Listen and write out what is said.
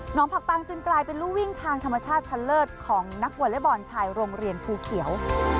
ผักปังจึงกลายเป็นรูวิ่งทางธรรมชาติชะเลิศของนักวอเล็กบอลชายโรงเรียนภูเขียว